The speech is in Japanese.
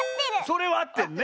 それはあってるのね。